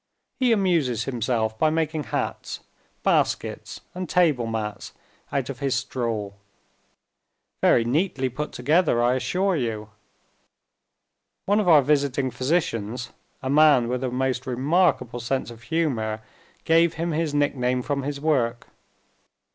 He amuses himself by making hats, baskets, and table mats, out of his straw. Very neatly put together, I assure you. One of our visiting physicians, a man with a most remarkable sense of humor, gave him his nickname from his work.